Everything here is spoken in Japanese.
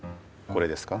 これですか？